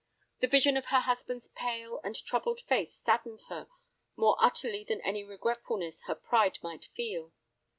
The vision of her husband's pale and troubled face saddened her more utterly than any regretfulness her pride might feel.